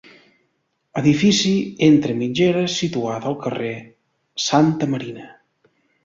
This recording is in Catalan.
Edifici entre mitgeres situat al carrer Santa Marina.